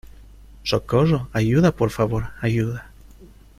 ¡ socorro! ¡ ayuda, por favor , ayuda !